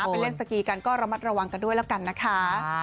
ไปเล่นสกีกันก็ระมัดระวังกันด้วยแล้วกันนะคะ